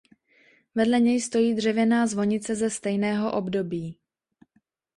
Vedle něj stojí dřevěná zvonice ze stejného období.